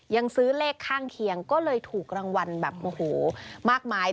ยังซื้อเลขข้างเคียงก็เลยถูกรางวัลมากมาย